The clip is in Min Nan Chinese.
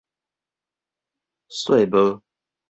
雪帽